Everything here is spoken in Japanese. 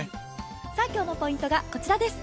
今日のポイントがこちらです。